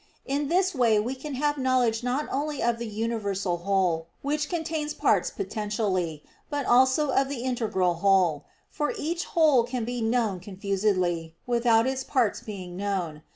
In this way we can have knowledge not only of the universal whole, which contains parts potentially, but also of the integral whole; for each whole can be known confusedly, without its parts being known.